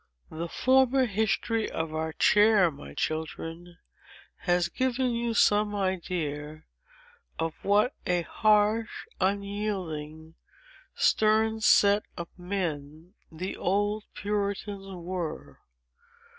The former history of our chair, my children, has given you some idea of what a harsh, unyielding, stern set of men the old Puritans were.